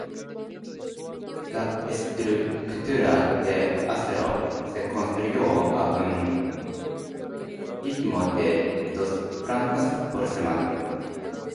La estructura de acero se construyó a un ritmo de dos plantas por semana.